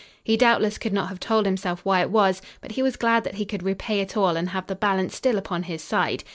He doubtless could not have told himself why it was, but he was glad that he could repay it all and have the balance still upon his side.